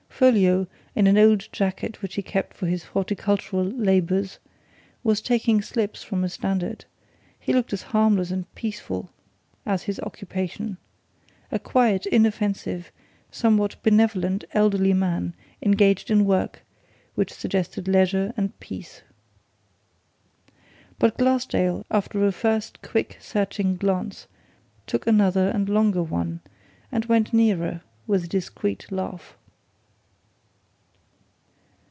Folliot, in an old jacket which he kept for his horticultural labours, was taking slips from a standard; he looked as harmless and peaceful as his occupation. A quiet, inoffensive, somewhat benevolent elderly man, engaged in work, which suggested leisure and peace. But Glassdale, after a first quick, searching glance, took another and longer one and went nearer with a discreet laugh.